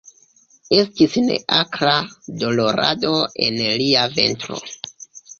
Estis neakra dolorado en lia ventro.